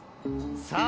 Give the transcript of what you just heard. さあ